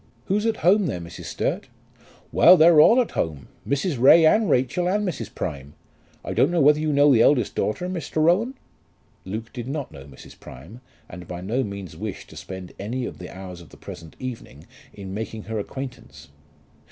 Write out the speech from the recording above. "Who's at home there, Mrs. Sturt?" "Well, they're all at home; Mrs. Ray, and Rachel, and Mrs. Prime. I doubt whether you know the eldest daughter, Mr. Rowan?" Luke did not know Mrs. Prime, and by no means wished to spend any of the hours of the present evening in making her acquaintance.